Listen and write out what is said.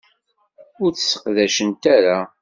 Ur t-sseqdacent ara.